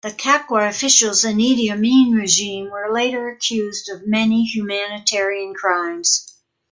The Kakwa officials in Idi Amin regime were later accused of many humanitarian crimes.